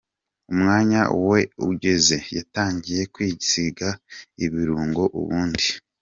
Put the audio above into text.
Umwanya we ugeze, yatangiye kwisiga ibirungo, ubundi